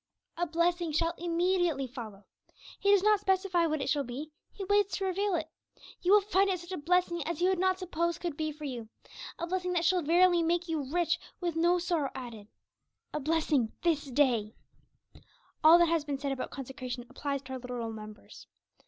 A blessing shall immediately follow. He does not specify what it shall be; He waits to reveal it. You will find it such a blessing as you had not supposed could be for you a blessing that shall verily make you rich, with no sorrow added a blessing this day. All that has been said about consecration applies to our literal members.